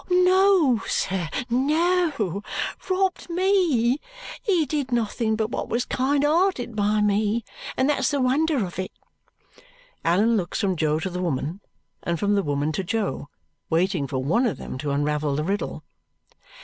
"No, sir, no. Robbed me? He did nothing but what was kind hearted by me, and that's the wonder of it." Allan looks from Jo to the woman, and from the woman to Jo, waiting for one of them to unravel the riddle.